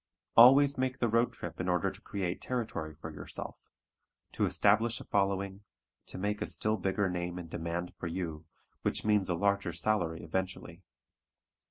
Always make the road trip in order to create territory for yourself, to establish a following, to make a still bigger name and demand for you, which means a larger salary eventually.